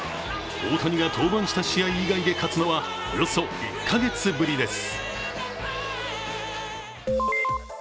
大谷が登板した試合以外で勝つのはおよそ１カ月ぶりです。